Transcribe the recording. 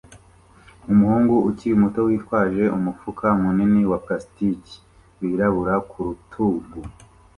Umuhungu ukiri muto witwaje umufuka munini wa plastiki wirabura ku rutugu